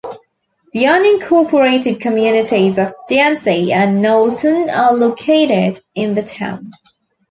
The unincorporated communities of Dancy and Knowlton are located in the town.